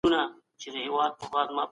زه باید خپل حساب تایید کړم.